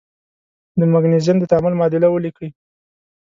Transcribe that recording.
د مګنیزیم د تعامل معادله ولیکئ.